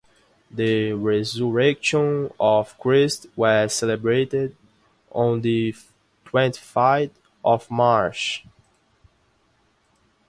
The resurrection of Christ was celebrated on the twenty-fifth of March.